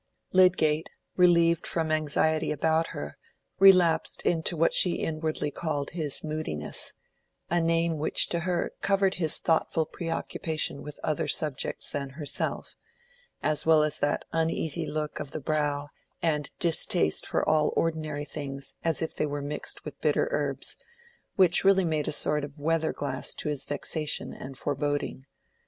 Lydgate, relieved from anxiety about her, relapsed into what she inwardly called his moodiness—a name which to her covered his thoughtful preoccupation with other subjects than herself, as well as that uneasy look of the brow and distaste for all ordinary things as if they were mixed with bitter herbs, which really made a sort of weather glass to his vexation and foreboding.